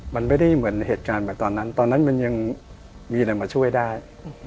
มันไม่ได้เหมือนเหตุการณ์แบบตอนนั้นตอนนั้นมันยังมีอะไรมาช่วยได้